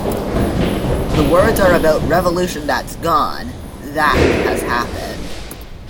The words are about revolution that's gone, that has happened.